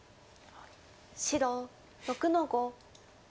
白６の五。